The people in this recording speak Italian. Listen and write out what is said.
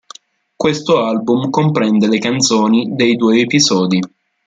Questo album comprende le canzoni dei due episodi.